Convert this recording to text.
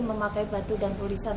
memakai batu dan polisinya